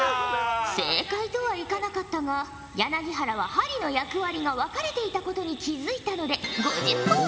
正解とはいかなかったが柳原は針の役割が分かれていたことに気付いたので５０ほぉじゃ。